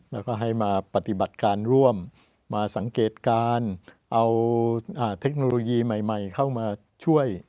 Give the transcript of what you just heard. แล้วก็ให้มาปฏิบัติการร่วมมาสังเกตการณ์เอาเทคโนโลยีใหม่เข้ามาช่วย